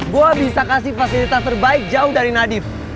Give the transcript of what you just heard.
gue bisa kasih fasilitas terbaik jauh dari nadif